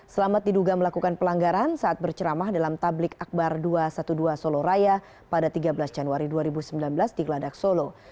selamat diduga melakukan pelanggaran saat berceramah dalam tablik akbar dua ratus dua belas solo raya pada tiga belas januari dua ribu sembilan belas di geladak solo